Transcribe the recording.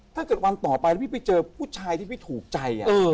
ถ้าเกิดวันต่อไปแล้วพี่ไปเจอผู้ชายที่ไม่ถูกใจ